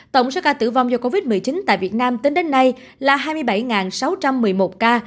tổng số ca tử vong do covid một mươi chín tại việt nam tính đến nay là hai mươi bảy sáu trăm một mươi một ca